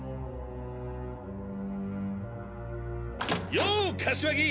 よお柏木！